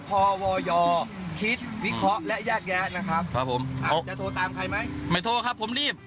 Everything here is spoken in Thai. พอวยคิดวิเคราะห์และแยกแยะนะครับครับผมจะโทรตามใครไหมไม่โทรครับผมรีบ